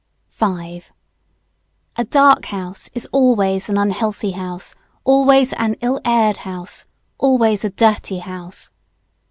[Sidenote: Light.] 5. A dark house is always an unhealthy house, always an ill aired house, always a dirty house.